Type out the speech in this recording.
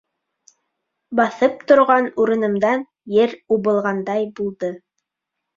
Баҫып торған урынымдан ер убылғандай булды.